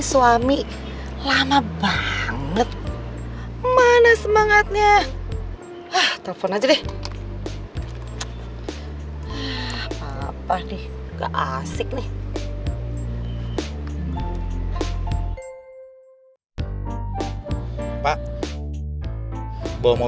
lu mau makan apa juga tinggal pesen dong